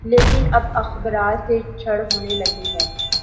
لیکن اب اخبارات سے چڑ ہونے لگی ہے۔